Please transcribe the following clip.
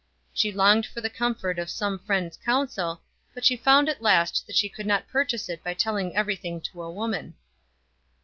She longed for the comfort of some friend's counsel, but she found at last that she could not purchase it by telling everything to a woman.